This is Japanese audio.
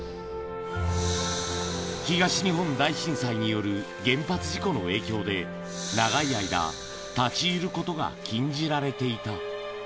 東日本大震災による原発事故の影響で、長い間、立ち入ることが禁じられていた。